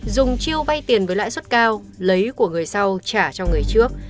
dùng chiêu vay tiền với lãi suất cao lấy của người sau trả cho người trước